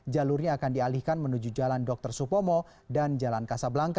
jalurnya akan dialihkan menuju jalan dr supomo dan jalan kasablangka